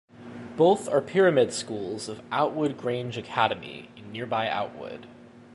Both are pyramid schools of Outwood Grange Academy in nearby Outwood.